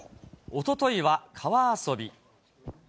おとといは川遊び。